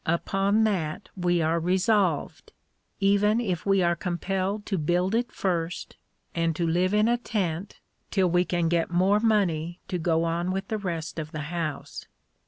Upon that we are resolved even if we are compelled to build it first, and to live in a tent till we can get more money to go on with the rest of the house.